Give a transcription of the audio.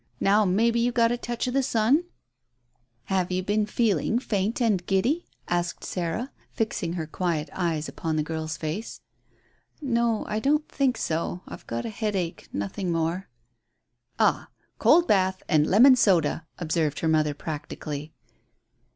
Now maybe you've got a touch o' the sun?" "Have you been faint and giddy?" asked Sarah, fixing her quiet eyes upon the girl's face. "No, I don't think so. I've got a headache nothing more." "Ah; cold bath and lemon soda," observed her mother practically.